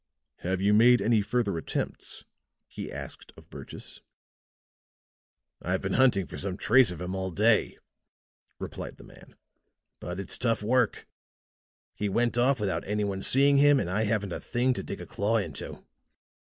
"Have you made any further attempts?" he asked of Burgess. "I've been hunting for some trace of him all day," replied the man. "But it's tough work. He went off without any one seeing him, and I haven't a thing to dig a claw into."